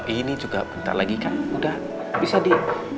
ini juga bentar lagi kan udah bisa di